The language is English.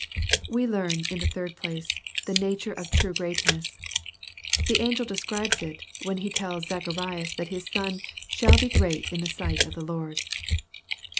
We learn, in the third place, the nature of true great* ness. The angel describes it, when he tells Zacharias that his son ^^ shall be great in the sight of the Lord."'